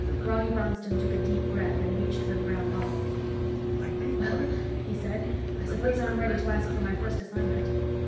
Ronny Bronston took a deep breath and reached for the brown bottle. "Well," he said. "I suppose I'm ready to ask for my first assignment."